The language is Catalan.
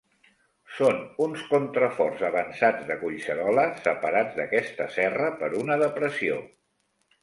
Són uns contraforts avançats de Collserola, separats d'aquesta serra per una depressió.